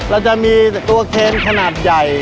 เราจะมีตัวเคนขนาดใหญ่